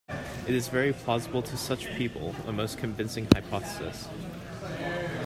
It is very plausible to such people, a most convincing hypothesis.